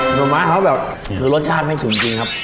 หน่อไม้เขาแบบรสชาติไม่ถูกจริงครับ